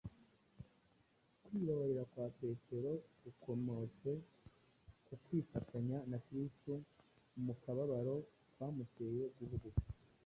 kwibabarira kwa petero gukomotse ku kwifatanya na kristo mu kababaro kwamuteye guhubuka